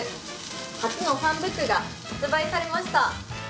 初のファンブックが発売されました。